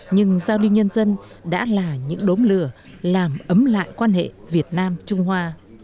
nhưng giao lưu nhân dân đã là những đốm lửa làm ấm lại quan hệ việt nam trung hoa